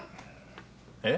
えっ？